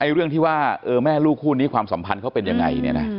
เรื่องที่ว่าแม่ลูกคู่นี้ความสัมพันธ์เขาเป็นยังไงเนี่ยนะ